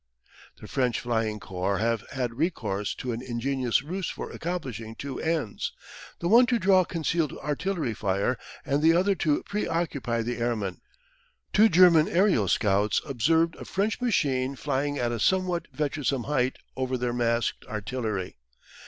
The French Flying Corps have had recourse to an ingenious ruse for accomplishing two ends the one to draw concealed artillery fire, and the other to pre occupy the airmen. Two German aerial scouts observed a French machine flying at a somewhat venturesome height over their masked artillery.